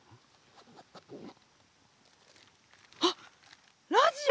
あっラジオ！